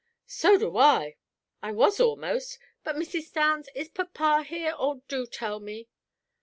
"So do I. I was almost. But, Mrs. Downs, is papa here? Oh, do tell me."